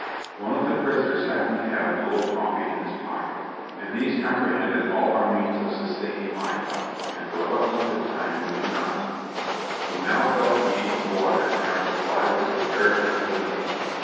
One of the prisoners happened to have a little coffee in his pocket, and these comprehended all our means of sustaining life, and for what length of time we knew not. We now felt the need of water, and our supply was comparatively nothing.